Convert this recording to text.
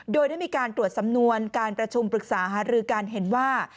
โดยได้มีการตรวจสำนวนการประชุมปรึกษาหารือการเห็นว่า